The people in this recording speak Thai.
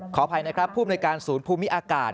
ขออภัยนะครับผู้อำนวยการศูนย์ภูมิอากาศ